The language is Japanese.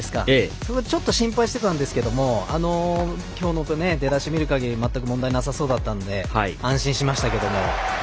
そこがちょっと心配してたんですが今日の出だし見るかぎり全く問題なさそうだったんで安心しましたけれども。